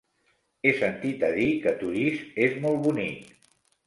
He sentit a dir que Torís és molt bonic.